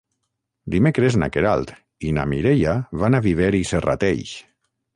Dimecres na Queralt i na Mireia van a Viver i Serrateix.